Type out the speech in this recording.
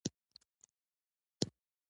د بازار اقتصاد یو جلا مفهوم دی.